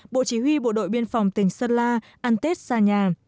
bộ chỉ huy bộ đội biên phòng tỉnh sơn la ăn tết xa nhà